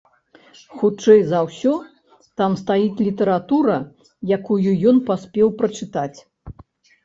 Хутчэй за ўсё, там стаіць літаратура, якую ён паспеў прачытаць!